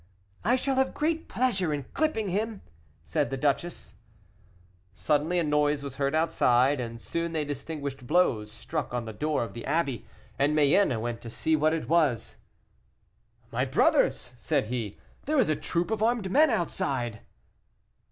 "I shall have great pleasure in clipping him!" said the duchess. Suddenly a noise was heard outside, and soon they distinguished blows struck on the door of the abbey, and Mayenne went to see what it was. "My brothers," said he, "there is a troop of armed men outside."